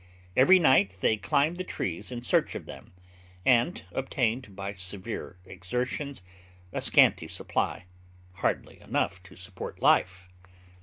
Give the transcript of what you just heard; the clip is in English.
Every night they climbed the trees in search of them, and obtained, by severe exertions, a scanty supply, hardly enough to support life.